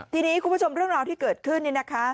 ทีนี้คุณผู้ชมเรื่องราวที่เกิดขึ้น